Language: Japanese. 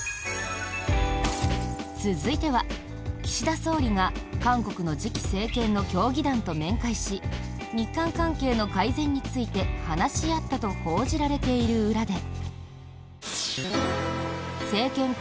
続いては、岸田総理が韓国の次期政権の協議団と面会し日韓関係の改善について話し合ったと報じられている裏で。